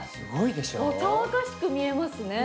若々しく見えますね。